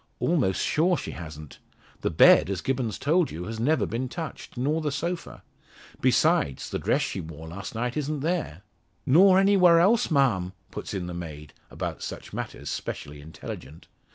"Almost sure she hasn't. The bed, as Gibbons told you, has never been touched, nor the sofa. Besides, the dress she wore last night isn't there." "Nor anywhere else, ma'am," puts in the maid; about such matters specially intelligent.